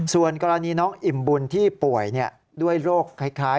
ส่วนกรณีน้องอิ่มบุญที่ป่วยด้วยโรคคล้าย